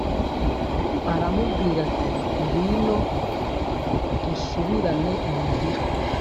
aramubwira ati ngwino dusubirane imuhira